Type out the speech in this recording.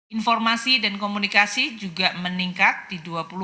informasi dan komunikasi juga meningkat di dua puluh dua